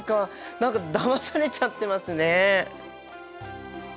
何かだまされちゃってますね。